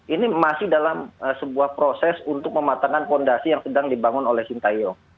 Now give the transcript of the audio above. ini masih dalam sebuah proses untuk mematangkan fondasi yang sedang dibangun oleh sintayong